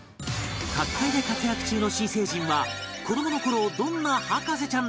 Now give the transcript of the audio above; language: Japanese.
各界で活躍中の新成人は子どもの頃どんな博士ちゃんだったのか？